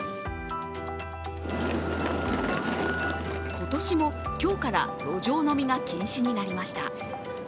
今年も今日から路上飲みが禁止になりました。